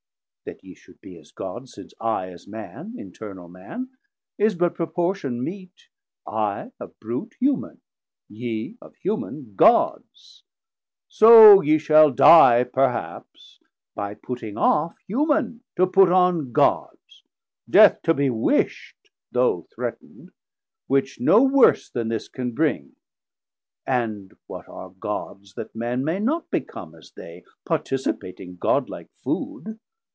That ye should be as Gods, since I as Man, 710 Internal Man, is but proportion meet, I of brute human, yee of human Gods. So ye shall die perhaps, by putting off Human, to put on Gods, death to be wisht, Though threat'nd, which no worse then this can bring And what are Gods that Man may not become As they, participating God like food?